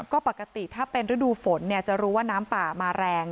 ก็ปกติถ้าเป็นฤดูฝนจะรู้ว่าน้ำป่ามาแรง